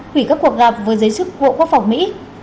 ba quỷ các cuộc gặp với giới chức vụ quốc phòng mỹ